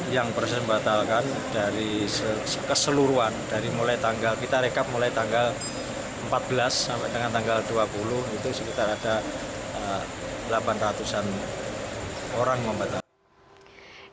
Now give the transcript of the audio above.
yang persen batalkan dari keseluruhan dari mulai tanggal kita rekap mulai tanggal empat belas sampai dengan tanggal dua puluh itu sekitar ada delapan ratus an orang membatalkan